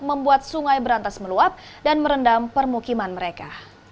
membuat sungai berantas meluap dan merendam permukiman mereka